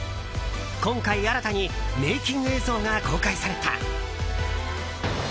今回、新たにメイキング映像が公開された。